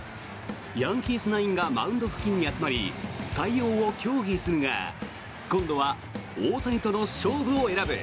ヤンキースナインがマウンド付近に集まり対応を協議するが今度は大谷との勝負を選ぶ。